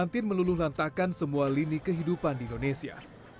pandemi covid sembilan belas meluluhlantakan semua lini kehidupan di indonesia